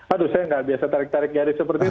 aduh saya nggak biasa tarik tarik nyaris seperti itu